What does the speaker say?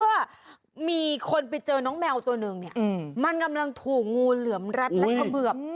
เพราะว่ามีคนไปเจอน้องแมวตัวนึงมันกำลังถูงงูเหลือมรัดและทะเบือบ